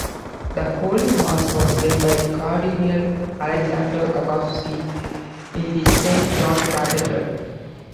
The Holy Mass was led by Cardinal Aleksander Kakowski in the Saint John's Cathedral.